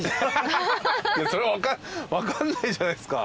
それは分かんないじゃないっすか。